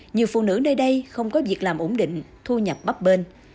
nhiều phụ nữ nơi đây không có việc làm ổn định thu nhập bắp bên